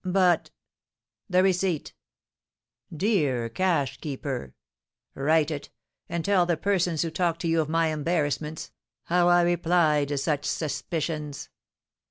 "But " "The receipt!" "Dear cashkeeper!" "Write it; and tell the persons who talk to you of my embarrassments, how I reply to such suspicions."